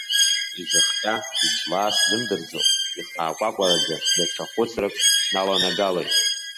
Изыхҟьа, излаа сзымдырӡо, ихаакәакәараӡа даҽа хәыцрак сналанагалеит.